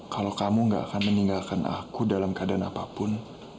kalau kamu gak akan meninggalkan aku dalam keadaan apapun